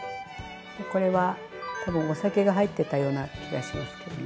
これは多分お酒が入ってたような気がしますけどね。